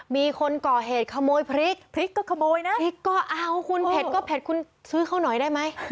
มีคนก่อเหตุขโมยพริกพริกก็ขโมยนะพริกก็เอาคุณเผ็ดก็เผ็ดคุณซื้อเขาหน่อยได้ไหม